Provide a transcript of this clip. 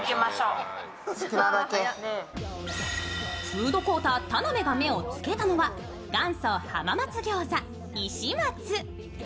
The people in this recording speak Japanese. フードコーター田辺が目をつけたのは、元祖浜松餃子石松。